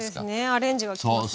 アレンジがききますね。